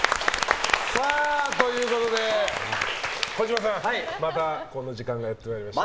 児嶋さん、またこの時間がやってまいりました。